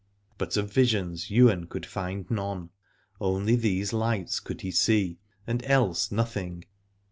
But of visions Ywain could find none : only these lights could he see, and else nothing.